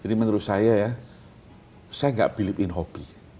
jadi menurut saya ya saya gak believe in hobby